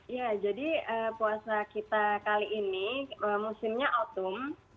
ya jadi puasa kita kali ini musimnya otum